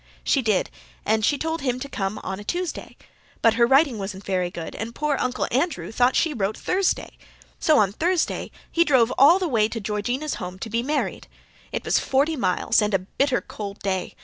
She did, and she told him to come on a Tuesday. But her writing wasn't very good and poor Uncle Andrew thought she wrote Thursday. So on Thursday he drove all the way to Georgina's home to be married. It was forty miles and a bitter cold day.